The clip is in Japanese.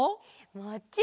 もちろん！